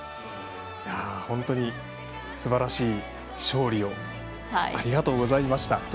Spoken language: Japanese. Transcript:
本当にすばらしい勝利をありがとうございました。